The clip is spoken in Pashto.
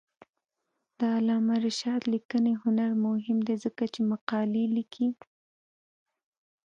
د علامه رشاد لیکنی هنر مهم دی ځکه چې مقالې لیکي.